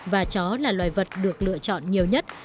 và chó là loài vật được lựa chọn nhiều nhất